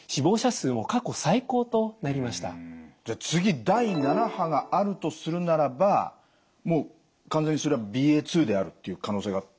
じゃあ次第７波があるとするならばもう完全にそれはＢＡ．２であるっていう可能性が高いんですかね？